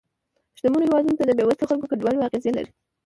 شتمنو هېوادونو ته د بې وزله خلکو کډوالۍ اغیزه لري